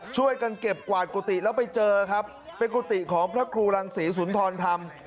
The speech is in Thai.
ช่วยกันเก็บกวาดกุฏิแล้วไปเจอครับเป็นกุฏิของพระครูรังศรีสุนทรธรรม